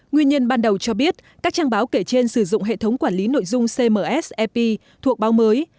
nguyên nhân ban đầu cho biết các trang báo kể trên sử dụng hệ thống quản lý nội dung cms ep thuộc báo mới